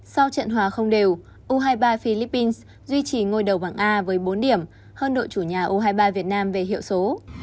sau trận hòa không đều u hai mươi ba philippines duy trì ngôi đầu bảng a với bốn điểm hơn đội chủ nhà u hai mươi ba việt nam về hiệu số